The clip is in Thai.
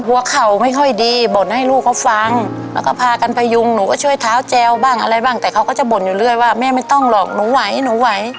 หัวเข่าไม่ค่อยดีบ่นให้ลูกเขาฟังแล้วก็พากันพยุงหนูก็ช่วยเท้าแจวบ้างอะไรบ้างแต่เขาก็จะบ่นอยู่เรื่อยว่าแม่ไม่ต้องหรอกหนูไหวหนูไหว